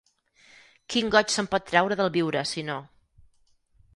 Quin goig se'n pot treure del viure sinó